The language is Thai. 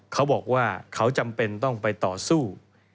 เขาบอกว่าเขาจำเป็นต้องไปต่อสู้